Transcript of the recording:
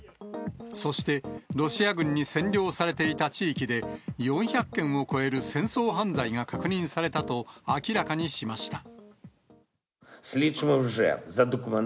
そして、ロシア軍に占領されていた地域で、４００件を超える戦争犯罪が確認されたと、明らかにしました。